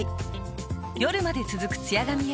夜まで続くツヤ髪へ。